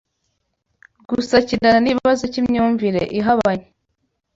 Gusakirana n’Ikibazo cy’Imyumvire Ihabanye